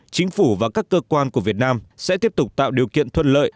chính phủ và các cơ quan của việt nam sẽ tiếp tục tạo điều kiện thuận lợi